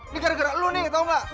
ini gara gara lu nih tau gak